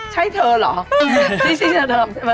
ใช่เธอเหรอ